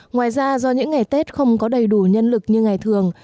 ngoài ra do những ngày tết không có đầy đủ nhân lực như ngày thường